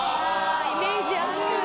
イメージある！